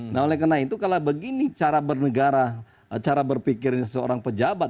nah oleh karena itu kalau begini cara bernegara cara berpikirnya seorang pejabat